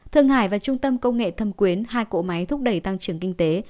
thương hải và trung tâm công nghệ thâm quyến hai cỗ máy thúc đẩy tăng trưởng kinh tế